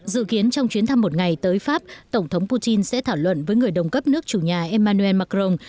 dự kiến trong chuyến thăm một ngày tới pháp tổng thống putin sẽ thảo luận với người đồng cấp nước chủ nhà emmanuel macron